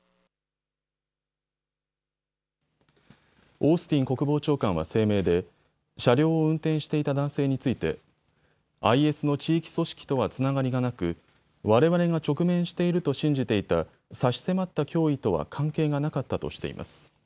オースティン国防長官は声明で車両を運転していた男性についてＩＳの地域組織とはつながりがなく、われわれが直面していると信じていた差し迫った脅威とは関係がなかったとしています。